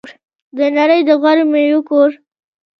د نړۍ د غوره میوو کور.